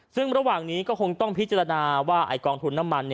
ซึ่งระหว่างนี้ก็คงต้องพิจารณาว่ากองทุนน้ำมัน